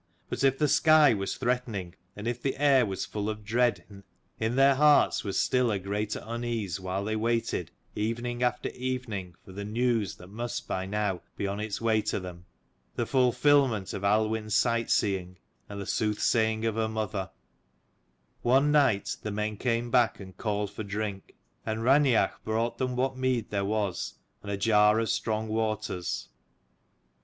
But if the sky was threatening and if the air was full of dread, in their hearts was a still greater unease while they waited s 137 evening after evening for the news that must by now be on its way to them, the fulfilment of Aluinn's sight seeing and the sooth saying of her mother, One night the men came back and called for drink; and Raineach brought them what mead there was, and a jar of strong waters.